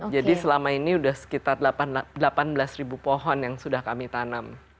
jadi selama ini udah sekitar delapan belas pohon yang sudah kami tanam